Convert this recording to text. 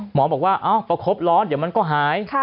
หมอบอกว่าประคบร้อนเดี๋ยวมันก็หาย